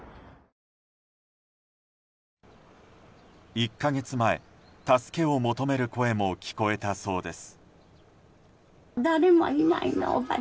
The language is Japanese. １か月前、助けを求める声も聞こえたそうです。